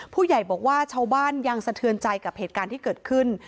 ผู้ใหญ่บอกว่าชาวบ้านยังสะเทือนใจกับเหตุการณ์ที่เกิดขึ้น